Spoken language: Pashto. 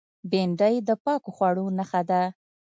بېنډۍ د پاکو خوړو نخښه ده